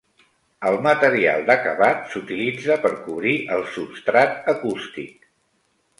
El material d'acabat s'utilitza per cobrir el substrat acústic.